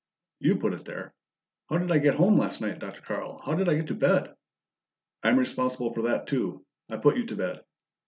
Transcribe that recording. "You put it there. How did I get home last night, Dr. Carl? How did I get to bed?" "I'm responsible for that, too. I put you to bed."